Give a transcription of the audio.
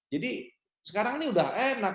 jadi sekarang ini udah enak